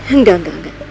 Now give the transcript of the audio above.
enggak enggak enggak